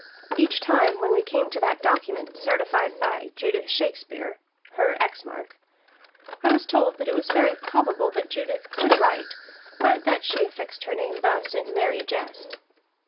Each time when we came to that document certified to by Her "Judith X Shakespeare," Mark I was told that it was very probable that Judith could write, but that she affixed her name thus in merry jest.